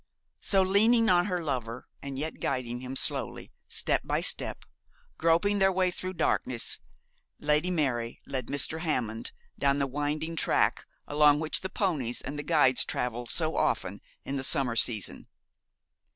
So, leaning on her lover, and yet guiding him, slowly, step by step, groping their way through the darkness, Lady Mary led Mr. Hammond down the winding track along which the ponies and the guides travel so often in the summer season.